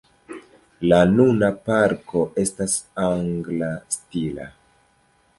La nuna parko estas angla stila.